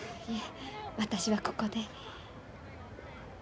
いえ私はここで。